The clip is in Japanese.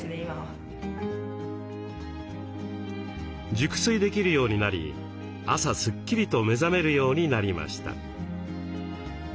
熟睡できるようになり朝すっきりと目覚めるようになりました。